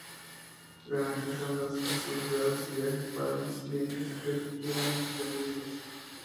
Garantizando las posibilidades de viaje para los clientes que requieran sus servicios.